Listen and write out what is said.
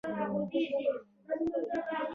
دا د افغانستان د خلکو د روغتیا لپاره لازم دی.